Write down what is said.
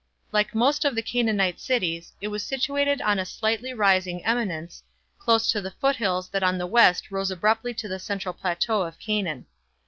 Like most of the Canaanite cities, it was situated on a slightly rising eminence, close to the foothills that on the west rose abruptly to the central plateau of Canaan.